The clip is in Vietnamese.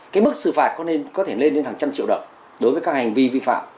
cái mức xử phạt có nên có thể lên đến hàng trăm triệu đồng đối với các hành vi vi phạm